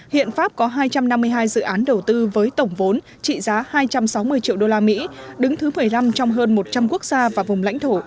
hiện pháp có hai trăm năm mươi hai dự án đầu tư với tổng vốn trị giá hai trăm sáu mươi triệu usd đứng thứ một mươi năm trong hơn một trăm linh quốc gia và vùng lãnh thổ